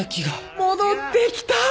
戻ってきた！